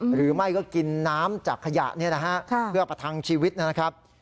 หรือไม่ก็กินน้ำจากขยะนี่นะฮะเพื่อประทังชีวิตนะครับ